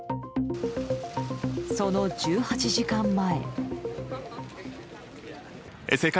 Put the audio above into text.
その１８時間前。